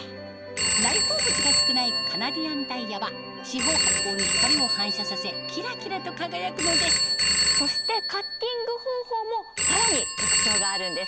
内包物が少ないカナディアンダイヤは四方八方に光を反射させキラキラと輝くのですそしてカッティング方法もさらに特徴があるんです。